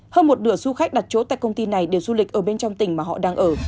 hơn một nửa du khách đặt chỗ tại công ty này đều du lịch ở bên trong tỉnh mà họ đang ở